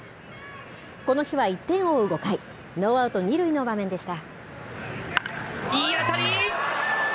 この日は１点を追う５回、ノーアウト２塁の場面でした。